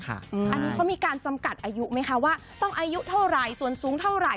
อันนี้เขามีการจำกัดอายุไหมคะว่าต้องอายุเท่าไหร่ส่วนสูงเท่าไหร่